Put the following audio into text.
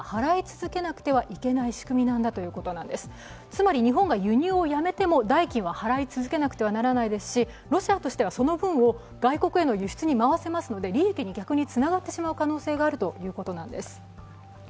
つまり日本が輸入をやめても代金を払い続けなければいけませんしロシアとしてはその分を外国への輸出に回せますので利益に逆につながってしまう可能性があるということなんです。